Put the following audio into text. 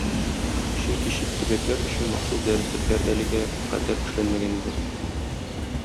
Чөнки чит төбәкләр өчен махсус дәреслекләр әлегә кадәр эшләнмәгән иде.